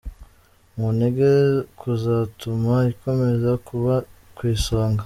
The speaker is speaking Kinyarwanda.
mu ntege kuzatuma ikomeza kuba ku isonga.